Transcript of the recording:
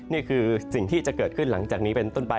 นี่คือสิ่งที่จะเกิดขึ้นหลังจากนี้เป็นต้นไป